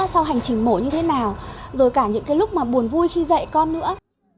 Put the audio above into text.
sau hành trình mổ như thế nào rồi cả những cái lúc mà buồn vui khi dạy con nữa